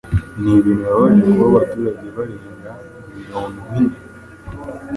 Ni ibintu bibabaje kuba abaturage barenga mironwine